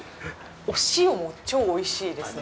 お塩も超おいしいですね。